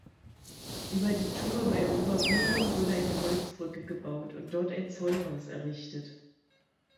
Über die Thur bei Oberbüren wurde eine Holzbrücke gebaut und dort ein Zollhaus errichtet.